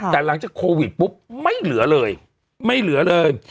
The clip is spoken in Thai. แต่หลังจากโควิดปุ๊บไม่เหลือเลยไม่เหลือเลย